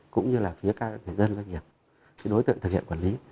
cũng như là phía các người dân doanh nghiệp đối tượng thực hiện quản lý